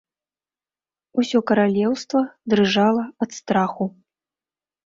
Усё каралеўства дрыжала ад страху.